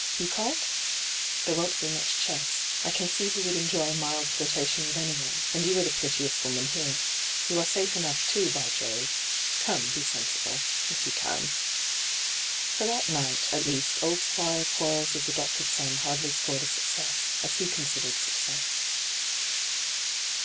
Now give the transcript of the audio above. You can't ? There won't be much chess. I can see he would enjoy a mild flirtation with anyone, and you are the prettiest woman here. You are safe enough, too, by Jove I Come, be sensible — if you can.' For that night, at least, old Sqoire Quarles' hyGoogIc ENTRAPPED 155 adopted Bon hardly scored a success, as he considered success.